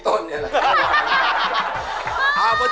ก็จะได้แน่นอนครับ